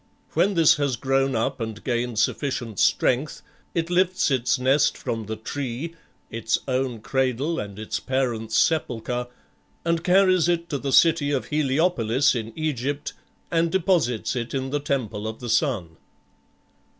When this has grown up and gained sufficient strength, it lifts its nest from the tree (its own cradle and its parent's sepulchre), and carries it to the city of Heliopolis in Egypt, and deposits it in the temple of the Sun."